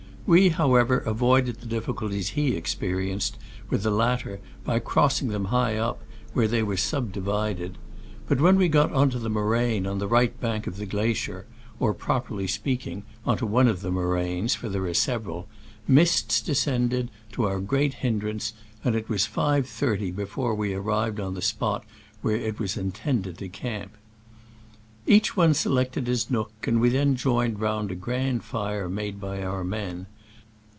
We, however, avoided the difficulties he experienced with the latter by crossing them high up, where they were subdivided. But when we got on to the moraine on the right bank of the glacier (or, properly speaking, on to one of the moraines, for there are sev eral), mists descended, to our great hin drance, and it was 5.30 before we ar rived on the spot at which it was intend ed to" camp. Each one selected his nook, and we then joined round a grand fire made by our men.